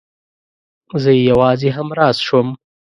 زه يې يوازې همراز شوم.